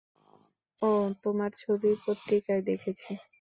ওহ, তোমার ছবি পত্রিকায় দেখেছি।